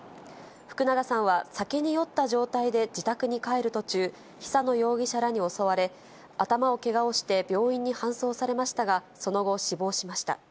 福永さんは酒に酔った状態で自宅に帰る途中、久野容疑者らに襲われ、頭をけがをして病院に搬送されましたが、その後、死亡しました。